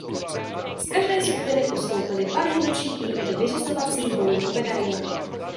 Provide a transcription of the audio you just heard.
Z každé skupiny postoupily dva nejlepší týmy do vyřazovacích bojů o medaile.